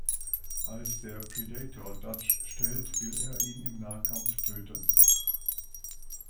Als der Predator Dutch stellt, will er ihn im Nahkampf töten.